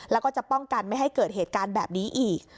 แล้วก็จะป้องกันไม่ให้เกิดเหตุการณ์แบบนี้อีก